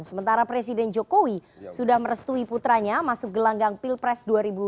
sementara presiden jokowi sudah merestui putranya masuk gelanggang pilpres dua ribu dua puluh